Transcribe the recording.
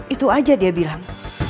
itu aja dia bilang